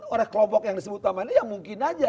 oleh kelompok yang disebut sama ini ya mungkin aja